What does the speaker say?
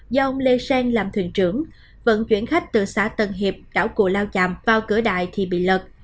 do ông lê sang làm thuyền trưởng vận chuyển khách từ xã tân hiệp đảo cù lao chàm vào cửa đại thì bị lật